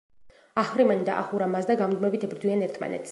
აჰრიმანი და აჰურა მაზდა გამუდმებით ებრძვიან ერთმანეთს.